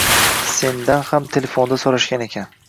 -Sendan ham telefonda so’rashgan ekan.